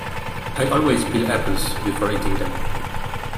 I always peel apples before eating them.